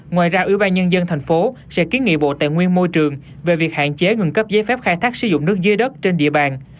ngoài ra ủy ban nhân dân thành phố sẽ kiến nghị bộ tài nguyên môi trường về việc hạn chế ngừng cấp giấy phép khai thác sử dụng nước dưới đất trên địa bàn